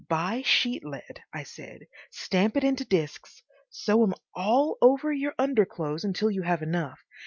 "Buy sheet lead," I said, "stamp it into discs. Sew 'em all over your underclothes until you have enough.